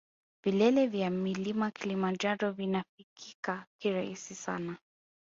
Vilele vya mlima kilimanjaro vinafikika kirahisi sana